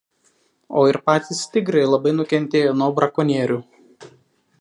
O ir patys tigrai labai nukentėjo nuo brakonierių.